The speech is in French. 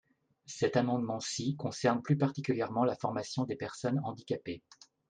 Cet amendement-ci concerne plus particulièrement la formation des personnes handicapées.